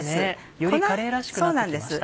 よりカレーらしくなってきました。